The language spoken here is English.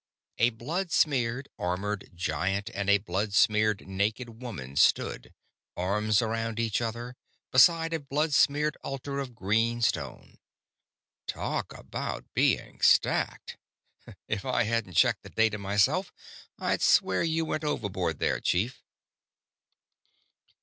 A blood smeared armored giant and a blood smeared naked woman stood, arms around each other, beside a blood smeared altar of green stone. "Talk about being STACKED! If I hadn't checked the data myself I'd swear you went overboard there, chief."